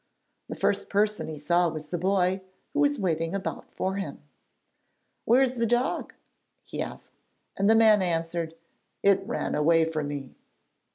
The first person he saw was the boy who was waiting about for him. 'Where is the dog?' asked he, and the man answered: 'It ran away from me.'